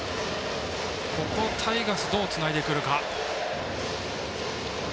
タイガース、どうつないでくるか。